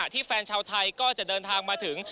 แฟนชาวไทยก็จะเดินทางมาถึง